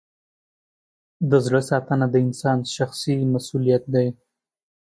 د زړه ساتنه د انسان شخصي مسؤلیت دی.